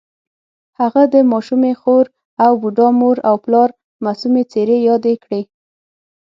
هغه د ماشومې خور او بوډا مور او پلار معصومې څېرې یادې کړې